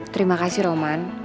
terima kasih roman